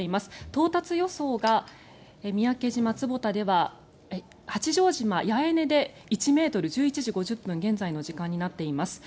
到達予想が八丈島・八重根で１ｍ、１１時５０分現在の時間になっています。